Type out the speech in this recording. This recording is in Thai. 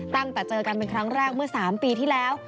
ตั้งแต่เจอกันเป็นครั้งแรกเมื่อ๓ปีที่แล้ว